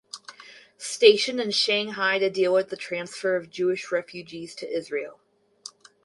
Stationed in Shanghai to deal with the transfer of Jewish refugees to Israel.